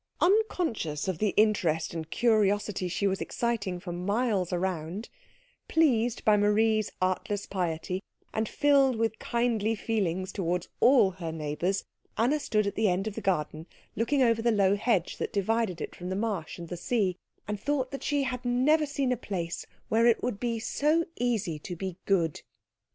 Unconscious of the interest and curiosity she was exciting for miles round, pleased by Marie's artless piety, and filled with kindly feelings towards all her neighbours, Anna stood at the end of the garden looking over the low hedge that divided it from the marsh and the sea, and thought that she had never seen a place where it would be so easy to be good.